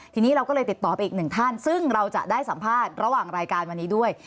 ทีนี้เราก็เลยติดต่อไปอีกหนึ่งท่านซึ่งเราจะได้สัมภาษณ์ระหว่างรายการวันนี้ด้วย